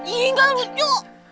iya gak lucu